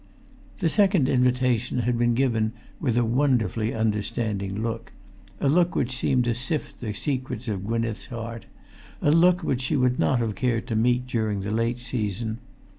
The second invitation had been given with a wonderfully understanding look—a look which seemed to sift the secrets of Gwynneth's heart—a look she would not have cared to meet during the late season.